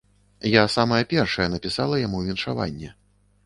Я самая першая напісала яму віншаванне.